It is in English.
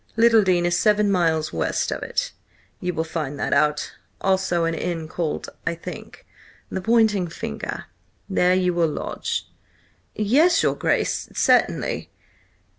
Littledean is seven miles west of it. You will find that out–also an inn called, I think, 'The Pointing Finger.' There you will lodge." "Yes, your Grace, certainly."